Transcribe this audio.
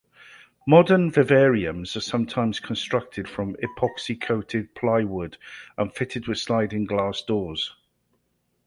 Modern vivariums are sometimes constructed from epoxy-coated plywood and fitted with sliding glass doors.